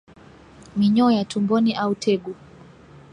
Minyoo ya tumboni au tegu